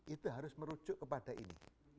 itu harus merujuk kepada ini